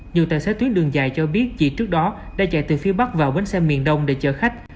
nhiều tài xế tuyến đường dài cho biết chỉ trước đó đã chạy từ phía bắc vào bến xe miền đông để chở khách